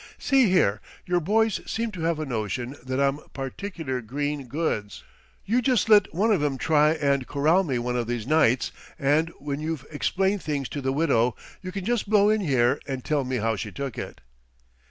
"See here, your boys seem to have a notion that I'm particular green goods. You just let one of 'em try and corral me one of these nights, and when you've explained things to the widow, you can just blow in here and tell me how she took it."